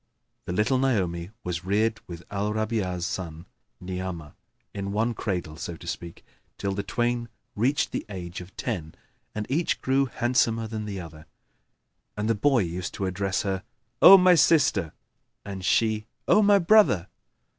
The little Naomi was reared with Al Rabi'a's son Ni'amah in one cradle, so to speak, till the twain reached the age of ten and each grew handsomer than the other; and the boy used to address her, "O my sister!" and she, "O my brother!"